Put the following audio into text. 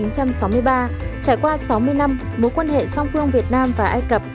trải qua sáu mươi năm mối quan hệ song phương việt nam và ai cập